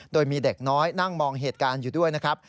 โดยมีเด็กน้อยนั่งมองเหตุการณ์อยู่ด้วยนะครับ